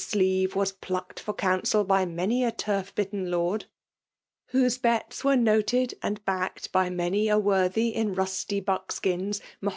sleeve was plucked for counsel by many a torf ; bitten lord ; whqjBe bets were noted and baok^ by many a worthy in rusty buckskins* maho *.